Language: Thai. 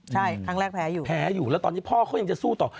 ใช่ครั้งแรกแพ้อยู่แพ้อยู่แล้วตอนนี้พ่อเขายังจะสู้ต่อ